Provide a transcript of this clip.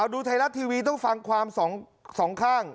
ดูไทยรัฐทีวีต้องฟังความสองข้าง